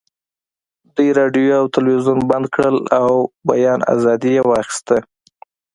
دوی راډیو او تلویزیون بند کړل او بیان ازادي یې واخیسته